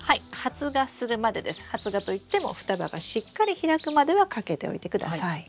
発芽といっても双葉がしっかり開くまではかけておいてください。